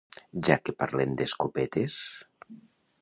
Ja que parlem d'escopetes...